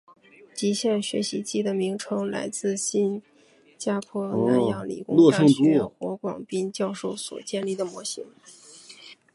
极限学习机的名称来自新加坡南洋理工大学黄广斌教授所建立的模型。